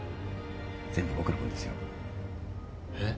全部僕の分ですよ。えっ？